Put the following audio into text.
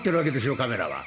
カメラは。